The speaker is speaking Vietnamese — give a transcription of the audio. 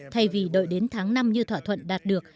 thay vì đợi đến tháng năm như thỏa thuận đạt được